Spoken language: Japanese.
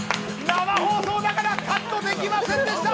生放送だからカットできませんでした。